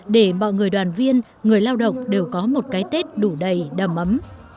để mọi người đoàn viên người lao động đều có một cái tết đủ đầy đầm ấm